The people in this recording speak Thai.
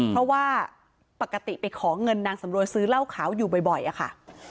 เพราะว่าปกติไปขอเงินนางสำรวยซื้อเหล้าขาวอยู่บ่อยอะค่ะ